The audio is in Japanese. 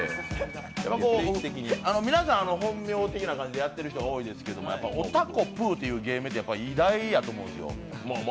皆さん、本名的なものでやっている人多いと思いますけど、おたこぷーっていう芸名って偉大やと思うんですよ。